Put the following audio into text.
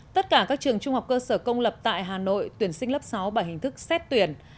tất cả các trường trung học cơ sở công lập tại hà nội tuyển sinh lớp sáu bằng hình thức xét tuyển